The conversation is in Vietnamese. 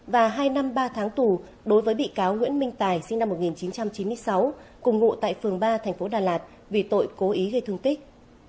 và hai năm ba tháng tù đối với bị cáo nguyễn minh tài sinh năm một nghìn chín trăm chín mươi sáu cùng ngụ tại phường ba thành phố đà lạt vì tội cố ý gây thương tích